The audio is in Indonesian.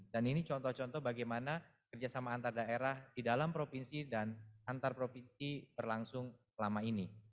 dan ini contoh contoh bagaimana kerjasama antar daerah di dalam provinsi dan antar provinsi berlangsung selama ini